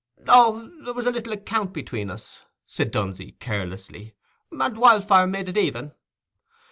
"Oh, there was a little account between us," said Dunsey, carelessly, "and Wildfire made it even.